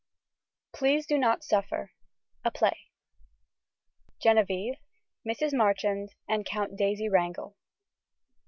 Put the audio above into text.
PLEASE DO NOT SUFFER A PLAY Genevieve, Mrs. Marchand and Count Daisy Wrangel.